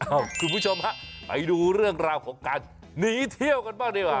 คุณผู้ชมฮะไปดูเรื่องราวของการหนีเที่ยวกันบ้างดีกว่า